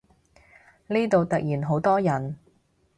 呢度突然好多人